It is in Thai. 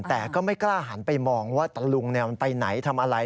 แต่ก็ไม่กล้าหันไปมองว่าตะลุงมันไปไหนทำอะไร